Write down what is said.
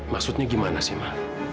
maksudnya gimana sih ma